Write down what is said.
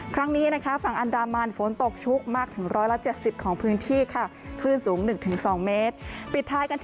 ครั้งนี้ฝั่งอันดามันฝนตกชุกมากถึง๑๗๐ของพื้นที่ค่ะ